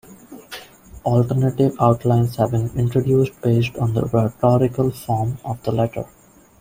Alternative outlines have been introduced based on the rhetorical form of the letter.